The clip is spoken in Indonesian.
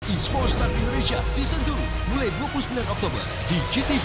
ismo star indonesia season dua mulai dua puluh sembilan oktober di gtv